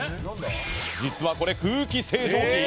実は、これ空気清浄機。